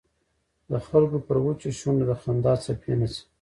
د خلکو پر وچو شونډو د خندا څپې نڅوي.